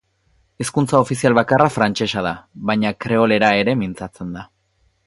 Hizkuntza ofizial bakarra frantsesa da, baina kreolera ere mintzatzen da.